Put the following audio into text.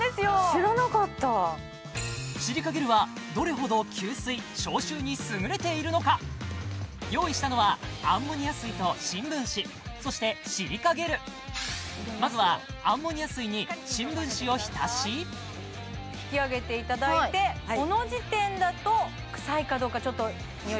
知らなかったシリカゲルはどれほど吸水・消臭に優れているのか用意したのはアンモニア水と新聞紙そしてシリカゲルまずは引きあげていただいてこの時点だと臭いかどうかちょっとニオイ